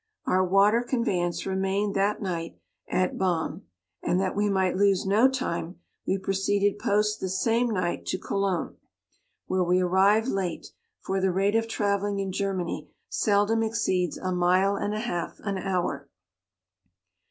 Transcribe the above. Our water conveyance remained that night at Bonn, and that we might lose no time, we proceeded post the same night to Cologne, where we arrived late; for the rate of travelling in Germany sel dom exceeds a mile and a half an hour.